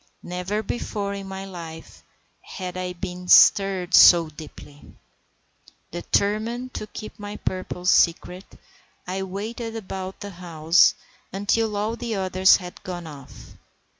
Never before in my life had I been stirred so deeply. Determined to keep my purpose secret, I waited about the house until all the others had gone off.